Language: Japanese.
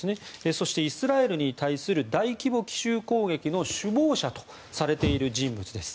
そしてイスラエルに対する大規模奇襲攻撃の首謀者とされている人物です。